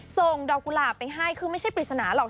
ส่งดอกกุหลาบไปให้คือไม่ใช่ปริศนาหรอก